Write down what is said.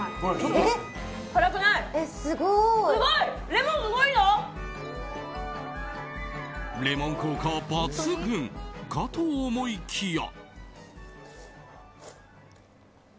レモン効果抜群かと思いきや。